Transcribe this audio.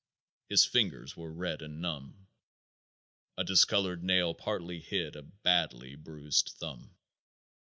His fingers were red and numb. A discolored nail partly hid a badly bruised thumb.